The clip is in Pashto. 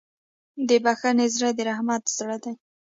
د بښنې زړه د رحمت زړه دی.